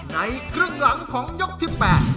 ในครึ่งหลังของยกที่๘